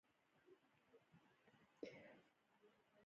تور سوري دومره قوي جاذبه لري چې رڼا هم نه پرېږدي.